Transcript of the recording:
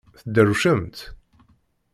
Tedrewcemt?